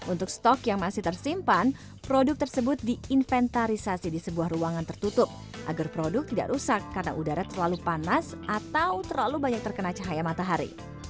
untuk stok yang masih tersimpan produk tersebut diinventarisasi di sebuah ruangan tertutup agar produk tidak rusak karena udara terlalu panas atau terlalu banyak terkena cahaya matahari